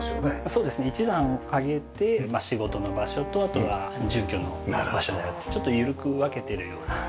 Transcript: そうですね１段上げて仕事の場所とあとは住居の場所だよってちょっと緩く分けてるような。